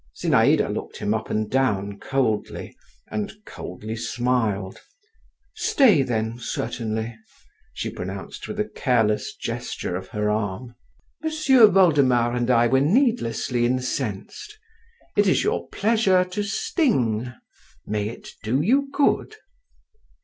Zinaïda looked him up and down coldly, and coldly smiled. "Stay, then, certainly," she pronounced with a careless gesture of her arm. "M'sieu Voldemar and I were needlessly incensed. It is your pleasure to sting … may it do you good."